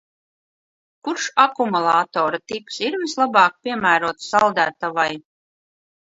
Kurš akumulatora tips ir vislabāk piemērots saldētavai?